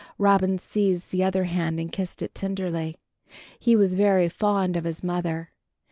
Robin seized the other hand and kissed it tenderly. He was very fond of his mother.